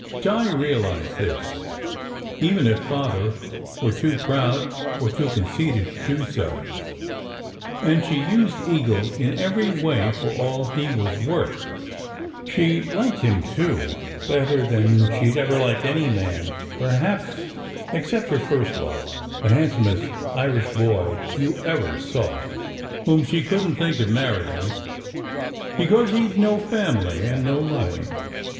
Di realized this, even if Father were too proud or too conceited to do so, and she used Eagle in every way, for all he was worth. She liked him, too, better than she d ever liked any man, perhaps, except her first love the handsomest Irish boy you ever saw, whom she couldn t think of marrying because he d no family and no money.